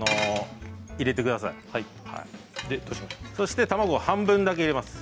そして卵を半分だけ入れます。